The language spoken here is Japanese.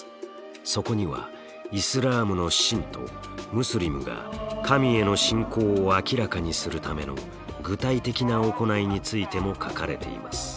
そこにはイスラームの信徒ムスリムが神への信仰を明らかにするための具体的な行いについても書かれています。